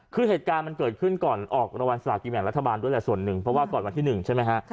คือเหตุการณ์มันเกิดขึ้นก่อนออกรางวัลสลากินแบ่งรัฐบาลด้วยแหละส่วนหนึ่งเพราะว่าก่อนวันที่๑ใช่ไหมฮะ